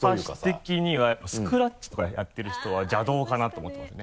私的にはやっぱスクラッチとかやってる人は邪道かなと思ってますね。